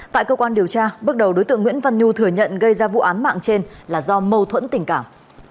tại cơ quan điều tra bước đầu đối tượng nguyễn văn nhu thừa nhận gây ra vụ án mạng trên là do mâu thuẫn tình cảm